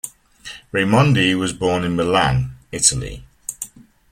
Raimondi was born in Milan, Italy.